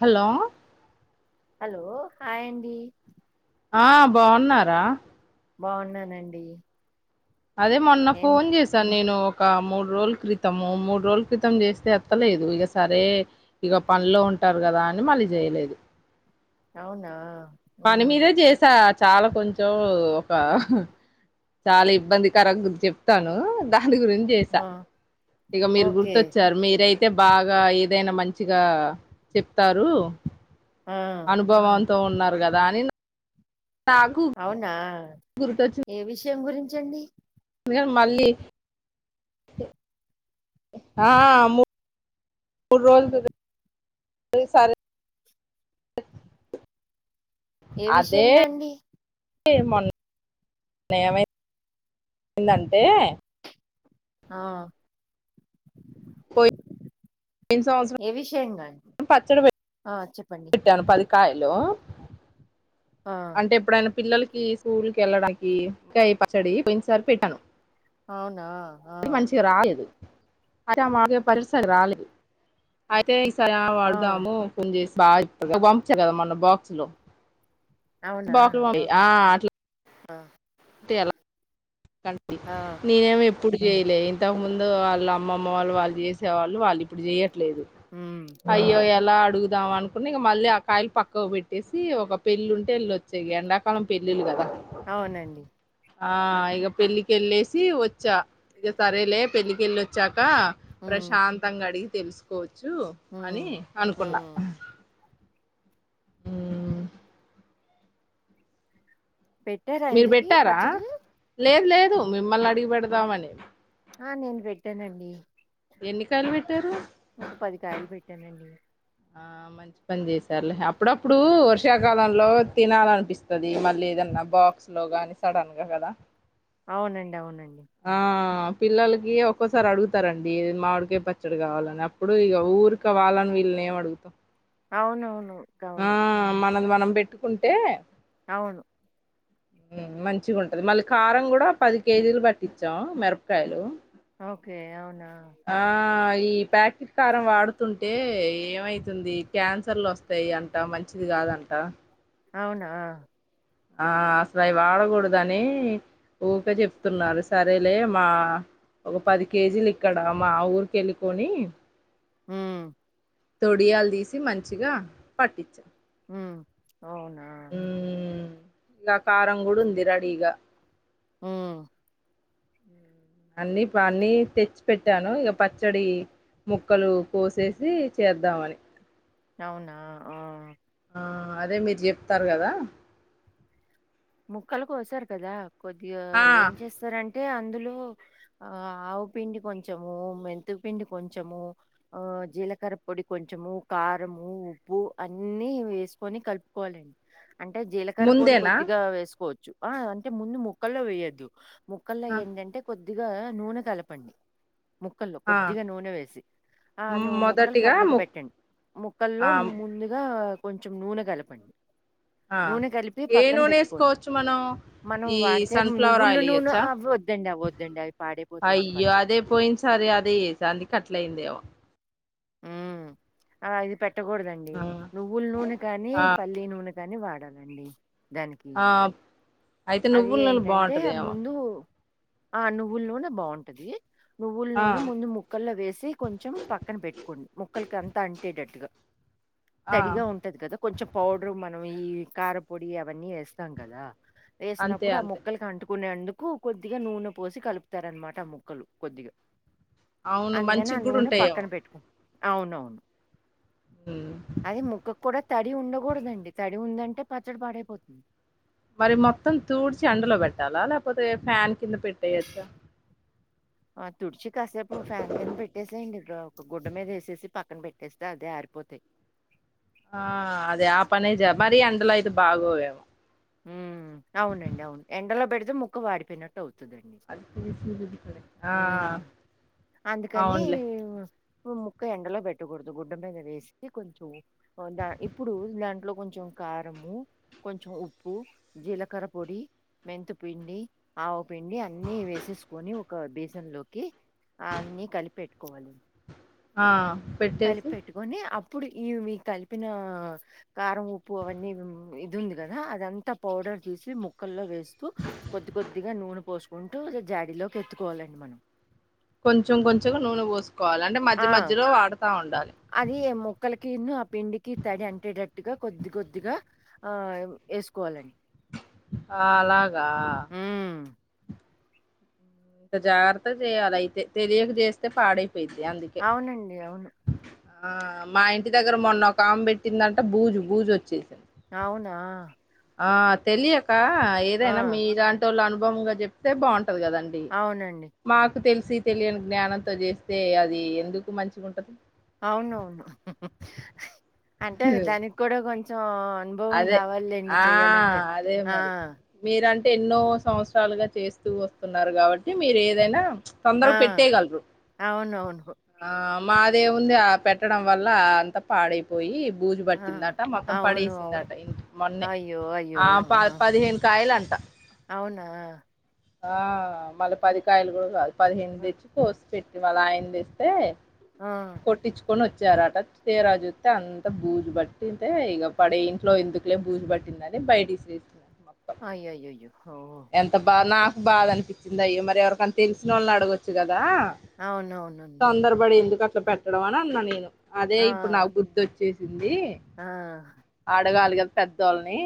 Hello. Hello hi అండి. ఆహ్ బాగున్నారా. బాగున్నానండి. అదే మొన్న ఏం ఫోన్ చేశా నేను. ఒక మూడు రోజుల క్రితం మూడు రోజుల క్రితం చేస్తే ఎత్తలేదు ఇక సరే ఇక పనిలో ఉన్నా. ఉంటారు కదా అని మళ్ళీ చేయలేదు. అవునా. పని ఉమ్ మీదే చేసా చాలా కొంచెం ఒక. చాలా ఇబ్బందికరంగా ఉంది చెప్తాను దా. దాని గురించి చేసా ఆ ఇక మీరు ఓకే గుర్తొచ్చారు మీరయితే. అయితే బాగా ఏదైనా మంచిగా చెప్తారు ఆ అనుభవం. తో ఉన్నారు కదా అని. నాకు అవునా. గుర్తొచ్చింది. ఏ విషయం గురించండి. మళ్ళీ ఆహ్ ము. మూడు రోజులు ఈ సరే ఏ అదే విషయంకండి. మొన్న ఏమైందంటే ఆ పోయిన సంవత్సరం ఏ విషయం కానీ పచ్చడి పె పెట్టాను పది కాయలు ఆ అంటే ఎప్పుడైన పిల్లలకి స్కూల్కి వెళ్ళడానికి ఇంకాయి పచ్చడి పోయినసారి పెట్టాను అవునా ఆ అది మంచిగా రాలేదు అయితే మాకు పరిసలు రాలేదు అయితే ఈసారి ఆ వాడుదాము పోన్ చేసి బాగా ఇ పంపించా కదా మొన్న బాక్సులో అవునా బాక్లు ఆ ఓకే అట్లా ఆ ఎలా ఆ నేనేమి ఇప్పుడు చేయలే ఇంతకు ముందు వాళ్ళ అమ్మమ్మ వాళ్ళు వాళ్ళు చేసే వాళ్ళు వాళ్ళు ఇప్పుడు చెయ్య లేదు ఉమ్ అయ్యో ఎలా అడుగుదాం అనుకుని ఇక మళ్ళీ ఆ కాయలు పక్కకు పెట్టేసి ఒక పెళ్ళి ఉంటే ఎల్లి వచ్చే ఎండాకాలం పెళ్ళిల్లు కదా అవునండి ఆ ఇగ పెళ్ళికెళ్ళేసి వచ్చా ఇగ సరేలే పెళ్ళకెళ్ళి వచ్చాక ఉమ్ ప్రశాంతంగా అడిగి తెలుసుకోవచ్చు చ్చు ఉమ్ అని అనుకున్నా ఉమ్ ఉ పెట్టారా మీరు ఇంతకి బెట్టారా పచ్చడి లేదు లేదు మిమ్మల్ని అడిగి పెడదామని ఆ నేను పెట్టానండి ఎన్ని కాయలు పెట్టారు ఒక పది కాయలు పెట్టానండి ఆ మంచి పని చేసారులే అప్పుడప్పుడు వర్షాకాలంలో తినాలనిపిస్తది మళ్ళీద బాక్స్ లోగాని సడన్గా కదా అవునండి అవునండి ఆ పిల్లలకి ఒక్కోసారి అడుగుతారండి మావిడికాయ్ పచ్చడి కావాలని అప్పుడు ఇగ ఊరికె వాళ్ళని వీళ్ళ ఏం అడుగుత అవునవును గవును మనది మనం పెట్టుకుంటే అవును మంచిగ ఉంటది మళ్ళీ కారం కూడా పది కేజీలు పట్టించాం మిరక్కాయలు ఓకే అవునా ఈ ప్యాకెట్ కారం వాడుతుంటే ఏమైతుంది క్యాన్సర్లు వస్తాయి అంట మంచిది కాదంట అవునా ఆ అసలు అవి వాడకూడద అని ఊరికే జెప్తున్నారు సరేలే మా ఒక పది కేజీలు ఇక్కడ మా ఊరికి వెళ్ళికొని ఉ తొడియాలు తీసి మంచిగా పట్టించాం ఉ అవును ఉ నా కారం కూడా హ్మ్. ఉంది రడీగా హ్మ్. అన్ని అన్ని తెచ్చి పెట్టాను ఇగ పచ్చడి ముక్కలు కోసేసి చేద్దామని అవునా ఓ ఆ అదే మీరు చెప్తారు కదా ముక్కలు కోసారు కదా కొద్దిగా ఆ ఏం చేస్తారం ఏ అందులో ఆ ఆవపిండి కొంచము, మెంత పిండి కొంచము ఆ ఆ జీలకర్ర పొడి కొంచము కారము, ఉప్పు అన్నీ వేసుకొని కలుపుకోవాలండి. అంటే జీలకర్ర పొడి కొ ముందేనా వేసుకోవచ్చు ఆ అంటే ముందు ముక్కల్లో వేయద్దు ముక్కల్లో ఆ, ఏంటంటే కొద్ కొద్దిగా నూనె కలపండి ముక్కల్లో ఆ, కొద్దిగా నూనె వేసి ఆ నువ్వు ముక్కలు మొదటిగా పక్కకు ముక్ పెట్టండి ఆ, ముక్కల్లో ను ముందుగా కొంచెం నూనె కలపండి ఆ నూనె కలిపి ఏ పక్కన పెట్టుకోండి. నూనేసుకోవచ్చు మనం మనం ఈ వాడితే సన్ఫ్లవర్ నువ్వుల ఆయిల్ నూనె ఏయోచ్చా అవి వద్దండి అవి వద్దండి అవి పాడైపోతాయండి అయ్యో పచ్చళ్ళు. అదే పోయిన్ సార్ దే అది దంది కట్ట్టలేయిందేమో ఉ ఆ ఇది పెట్టకూడదండి ఆ, నువ్వుల నూనె కానీ, పల్లీ నూనె కా కాని వాడాలండి. దానికి ఆ, అయితే అది నువ్వుల నూనె ఏంటంటే బాగుంటదేమో ముందు ఆ నువ్వుల్లోనే బావుంటది. నువ్వుల ఆ నూనె ముందు ముక్కల్లో వేసి కొంచెం పక్కన పెట్ ముక్కలుకు అంత అంటేటట్టుగా ఆ తడిగా ఉంటది కదా కొంచెం పౌడర్ మ ఈ కారంపొడి అవన్ని వేస్తాం కదా అంతే వేసినపుడు ఆ అంతే ముక్కలుకి అంటు కునేందుకు కొద్దిగా నూనె పోసి కలుపుతారనమాట ఆ ముక్కలు కొద్దిగా అవును అందుకని మంచి ఆ కూడా నూనె ఉంటాయేమో పక్కన పెట్టుకో అవునవును ఉమ్ అది ముక్కకు కూడా తడి ఉండకూడదండి తడి ఉందంటే పచ్చడి పడైపోతుంది. మరి మొత్తం తూడ్చి అందులో పెట్టాలా, లేకపోతే ఫ్యాన్ కింద పెట్టేయచ్చా. ఆ తుడిచి కాసేపు ఫ్యాన్ కింద పెట్టేసేయండి రో ఇ ఒక గుడ్డ మీద వేసేసి పక్కన పెట్ట తెస్తే అదే ఆరిపోతాయి ఆ అదే ఆ పనే జ మరి అందులో అయితే బాగోవేము అది ముక్కు వాడిపోనయిట్టువుంది. అది సూర్యుడి కడే ఆ ఉమ్ అందుకని అవునులే ఊకె ఎండలో పెట్టకూడదు గుడ్డ మీద వేసి కొంచెం ద ఇప్పుడు దాంట్లో కొంచెం కారము కొంచెం ఉ ప్పు జీలకర పొడి, మెంతపిండి, ఆవుపిండి అన్ని వేసేసుకొని ఒక బీసన్ లోకి అన్నీ కలిపెట్టుకోవాలి. ఆ కలిపి పెట్టేసి పెట్టుకొని అ ప్పుడు ఈ మీకు కలిపిన కారం ఉప్పు అవన్నీ ఇది ఉంది కదా అదంతా పౌడర్ తీసి ముక్కల్లో వేస్తూ కొద్ది కొద్దిగా నూనె పోసుకుంటూ జాడీలోకి ఎత్తుకోవాలండి మనం కొంచెం కొంచెం నూనె పోసుకోవాలి అంటే మధ్య ఆ మధ్యలో వాడ అది ఏ ముక్క లకిను ఆ పిండికి తడి అంటేటట్టుగా కొద్ది కొద్దిగా ఆ వేసుకోవాలండి. ఆ అలాగా హ్మ్. ఇంత జాగ్రత్త చేయాలి అయితే తెలియక చేస్తే పాడై అవునండి అవును ఆ మా ఇంటి దగ్గర మొన్న ఒకామె పెట్టిందంట బూజు బూజు ఒచ్చింది. అవునా ఆ తెలియకా ఆ! ఏదైనా మీలాంటోళ్ళు అనుభవంగా చెప్తే బాంట్ దు కదండి అవునండి. మాకు తెల్స్ శీ తెలియని జ్ఞానంతో చేస్తే అదీ ఎందుకు మంచిగుంటది అవునవును అంటే దానికి కూడా కొంచెం అనుభవం అదె గావాలిలెండి ఆ చేయాలంటే. అదే ఆ! మరి మీరంట్ ఎన్నో సంవత్సరాలుగా చేస్తూ వస్తున్నారు కాబట్టి మీరేదైనా ఆ! తొందర్ పెట్టెయ్ గలరు అవునవును. ఆ మాదేముంది ఆ పెట్టడం వల్లా అంత పాడైపోయీ బూజు ఆ! పట్టిందట మొత్తం అవును. పడేసి అవును. ఉందట ఇ మొన్నే అయ్యో! అయ్యో! ఆ ప పదిహేను కాయలంట అవునా ఆ మళ్ళ ఆ! పదికాయలు కూడా కాదు పదిహేను ఆ! తెచ్చి కోసి పెట్టి వాళ్ళాయన తెస్తే ఆ కొని వచ్చారట తీరా చూత్తే అంత బూజుబట్టింటే ఇక పడే ఇంట్లో ఎందుకులే బూజు బట్ దని బయటిసేస్తున్నా అయ్య అయ్య అయ్యో హో ఎంత బానా నాకు బాధ అనిపించిందో అయ్యో మరి ఎవరికన్న తెలిసినోళ్ళని అడగొచ్చు కదా బా అవునవునండి. తొందరపడి ఎందుకు అట్ల పెట్టడం అని అన్నా నేను అదే ఆ! ఇప్పుడు నాకు గుర్తొచ్చేసిందీ ఆ! అడగాలి కదా పెద్దోల్నీ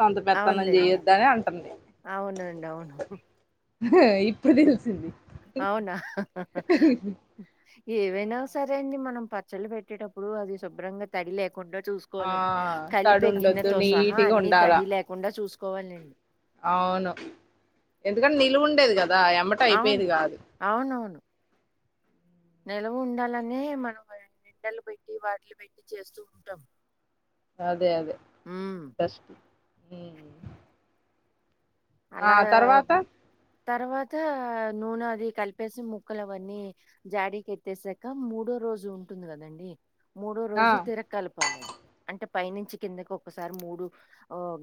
సొంత పెత్తనం అవునులెండి. చేయొద్ద అని అంటుంది అవునండి అవును ఇప్పుడు తెలిసింది అవునా? ఏవైనా సరే అండి మనం పచ్చల్లు పెట్టేటప్పుడు అవి శుభ్రంగ తడి లేక్ కుండ ఆ చూసుకోవాలండి తడి కలిపే ఉండొద్దు గిన్నెతో సహా నీటిగా అన్నీ తడి లేకుండా చూసుకోవాలండి ఆవును ఎందుకంటె నిలువు ఉండేదిగ దా ఎమ్మట అయిపెయేది అవును. కాదు అవునవును. నిలవ ఉండాలనే మనం నిండలు పెట్టీ వాటిలు పెట్టీ చేస్తూ ఉంటాం అదె అదే హ్మ్. ఫస్ట్ ఆ అలా తర్వాత తర్వాతా నూనె అది కలిపేసి ముక్కలు అవన్నీ జాడీకి ఎత్తేసాక మూడో రోజు ఉంటుంది కదండి మూడో ఆ రోజు తిరక్ కలపాలి అంటె పైనుంచి కిందకి ఒకసారి మూడు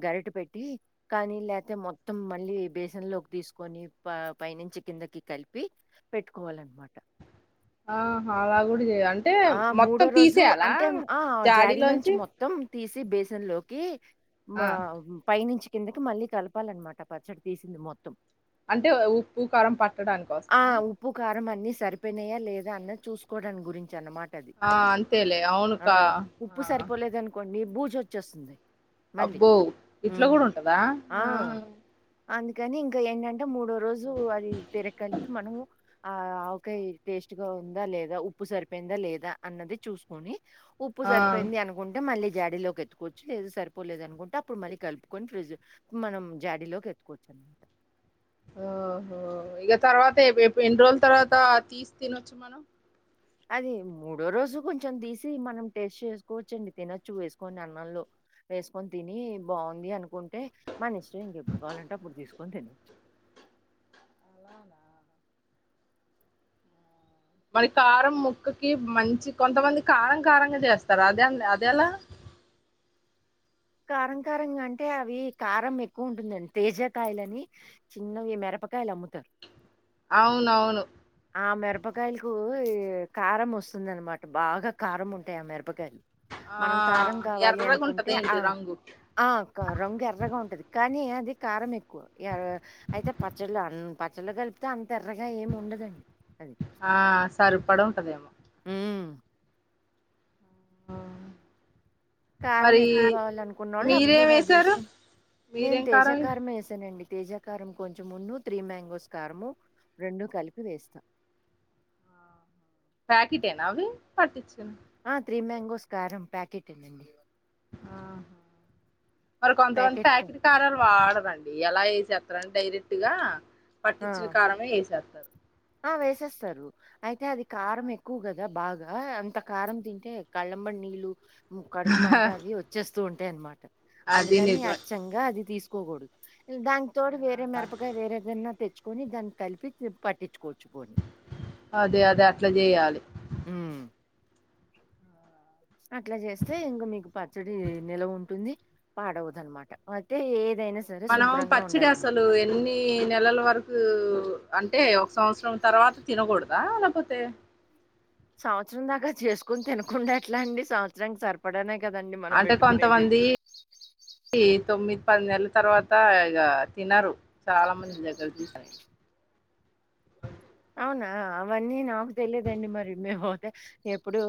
గరిట పెట్టీ కానీ లేతె మొ మొత్తం మళ్ళీ బేసన్ లోకి తీసుకొని పైనుంచి కిందకి కలిపి పెట్టుకోవాలన్నమాట ఆ హరాలు ఆ మూడో రోజు అంటే ఆ జాడీలోంచి మొత్తం తీస్ త్తి బేసిన్ లోకీ ఆ మా పైనుంచి కిందకి మళ్ళీ కలపాలన్మాట పచ్చడి తీసింది మొత్ అంటే ఉప్పు కారం పట్టడానికోసమా అన్ని సరిపోయినాయా లేదా అన్న చూసుకోడానికి గురించి అనమాట్ తది ఆ అప్పుడు అంతేలే అవును ఆ కా ఆ! ఉప్పు సరిపోలేదనుకోండి బూజు వచ్చేస్తుంది అబ్బో ఇట్ల గూడ ఉంటదా ఆ అందుకని ఇంక ఏంటంటే మూడో రోజు అది తిర కలిపి మనము ఆ ఆవకాయ్ టేస్ట్ గా ఉందా లేదా ఉప్పు సరిపోయిందా లేదా అన్నది చూసుకొని ఉప్పు ఆ సరిపేంది అనుకుంటే మళ్లి జాడీలోకి ఎత్తుకోచ్చు లేదు సరిపోలేదు అనుకుంటే అప్పుడు మరీ కలుపుకొని ఫ్రిడ్జ్ మనం జాడీలోకి ఎత్తుకోవచ్చు. [inaudible] ఆహ్ ఓహో ఇక తర్వాత ఎప్ ఎన్ని రోజుల తర్వాతా తీసి తినొచ్చు మనం. అది మూడో రోజు కొంచెం తీసి మనం టేస్ట్ చేసుకోవచ్చండి తినొచ్చు వేసుకొని అన్నంలో. వేసుకొని తిని బాగుంది అనుకుంటే మన ఇష్టం ఇంకెప్పుడు కావాలంటే అప్పుడు తీసుకొని తినోచ్చు. అవు మరి కారం ముక్కకి మంచి కొంతమంది కారం కారంగా చేస్తారు అదే అండి అదే ఎలా. కారం కారంగా అంటే అవి కారం ఎక్కువ ఉంటుందండి తేజాకాయలని చిన్నవి మిరప మిరపకాయలు అమ్ముతారు. అవునవును. ఆ మిరపకాయలకు ఈ కారం వస్తుంది అనమాట బాగా కారం ఉంటాయి ఆ మిరప కాయలు ఆ! మనం కారం కావాలి అనుకుంటే ఎర్రగుంటదేంటి ఆహ్ రంగు? ఆహ్ కార రంగు ఎర్రగా ఉంటది కానీ. అది కారం ఎక్కువ అయితే ఎర్ పచ్చళ్ళు ఆహ్ పచ్చళ్ళు కలిపితే అంత ఎర్రగా ఏమి ఉండదండి. అది. ఆహ్ సరిపడా ఉంటదేమో. హ్మ్. ఆహ్. కారం ఎక్కువ కావాలనుకున్నోళ్ళు మీరేం అబ్బుగా అది ఏసారు? చేసుకుని నేను మీరేం కారం తేజకారమే వేసానండి. తేజాకారం కొంచెమును త్రీ మ్యాంగోస్ కారము రెండు కలిపి వేస్తాం. ప్యాకెటేనా అవి పట్టించినవి. ఆహ్ త్రీ మ్యాంగోస్ క్యారం ప్యాకెటేనండి. ఆహా! మరి కొంతమంది ప్యాకెట్‌తో ప్యాకెట్ కారాలు వాడరండి అలా వసేస్తారడి డైరెక్ట్ గా. పట్టించిన కారమే వేసేస్తారు. ఆహ్ వేసేస్తారు అయితే అది కారం ఆ! ఎక్కువ కదా బాగా అంత కారం తింటే కళ్ళకు. చెంబడు నీలు. కడుపు మంట అవి వచ్చేస్తూ ఉంటాయి అన్నమాట అది అందుకని నిజమే అచ్చంగా అది తీసుకోకూడదు. దానికి తోడు వేరే మిరపకాయ వేరేదన్నా తెచ్చుకొని దానికి కలిపి పట్. అదే అదే అట్లా చేయాలి. ఉమ్. అట్లా చేస్తే ఇంక మీకు పచ్చడి నిల్వ ఉంటుంది పాడవదాన్నమాట అయితే ఏ మనం పచ్చడి అసలు ఎన్ని నెలల వరకు. అంటే ఒక సంవత్సరం తర్వాత తినకూడదా లేకపోతే. సంవత్సరం దాకా చేసుకొని తినకుండా ఎట్లా అండి సంవత్సరానికి సరిపడానే. కదండి మనం అంటే పెట్టుకునేది కొంతమంది తొమ్మిది పది నెలల తర్వాత ఇక తీనరు చాలా మంది దగ్గర తీస అవునా అవన్నీ నాకు తెలిదండి మరి మేము అవుతే ఎప్పుడు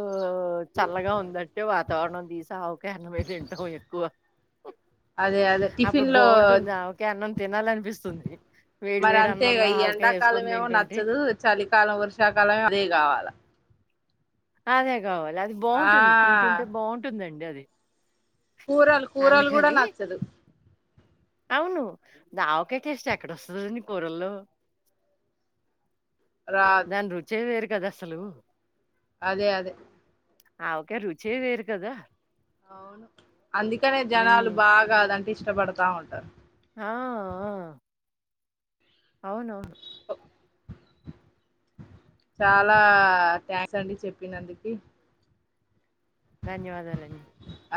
చల్లగా ఉందంటే వాతావరణం తీసవుకన మేలుంటావు ఎక్కువ అదే అదే అప్పుడు టిఫిన్ లో బాగుంటుంది ఆవకాయ అన్నం తినాలనిపిస్తుంది వేడి మరి వేడి అంతేగా అన్నంలో ఈ ఆవకాయ ఎండాకాలం వేసుకొని ఏమో తింటుంటే నచ్చదు చలికాలం వర్షాకాలం అదే కావాల అదే కావాలి అది ఆ బాగుంటుంది తింటుంటే బాగుంటుందండి అది కూరలు కూరలు కూడా అందుకని నచ్చదు అవును అది ఆవకాయ టేస్ట్ ఎక్కడొస్తుంది అండి కూరల్లో రాదు దాని రుచే వేరు కదా అసలు అదే అదే ఆవకాయ రుచే వేరు కదా అవును అందుకనే జనాలు హ్మ్. బాగా అదంటే ఇష్టపడతా ఉంటారు ఆ అ అవునవును చాలా థ్యాంక్స్ అండి చెప్పినందుకి ధన్యవాదాలండి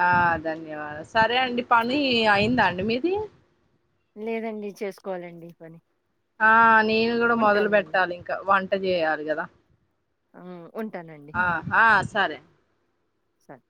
ఆ ధన్యవాదాలు సరే అండి పని అయిందా అండి మీది లేదండి చేసుకోవాలండి పని ఆ నేను కూడా మొదలు ఉంటానండి. పెట్టాలి ఇంకా వంట జేయాలి కదా ఆ ఆహ సరే సార్